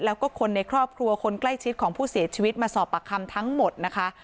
แล้วก็คนในครอบครัวคนใกล้ชิดของผู้เสียชีวิตมาสอบปากคำทั้งหมดนะคะ